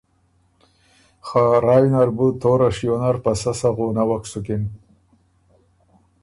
خه رایٛ نر بُو توره شیو نر په سۀ سۀ غونوک سُکِن۔